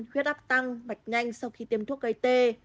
huyết áp tăng mạch nhanh sau khi tiêm thuốc gây tê